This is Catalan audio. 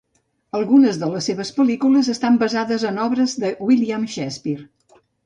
Algunes de les seves pel·lícules estan basades en obres de William Shakespeare.